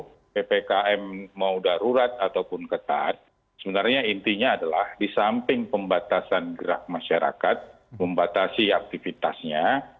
jadi kalau ppkm mau darurat ataupun ketat sebenarnya intinya adalah di samping pembatasan gerak masyarakat membatasi aktivitasnya